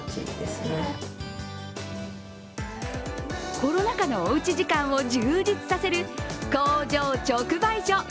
コロナ禍のおうち時間を充実させる工場直売所。